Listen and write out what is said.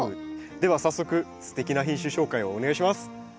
では早速すてきな品種紹介をお願いします。